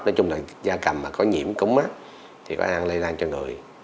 nói chung là da cầm mà có nhiễm cúng thì có thể ăn lây lan cho người